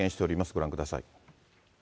ご覧ください。